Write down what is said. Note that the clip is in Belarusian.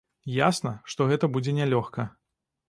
Ясна, што гэта будзе нялёгка.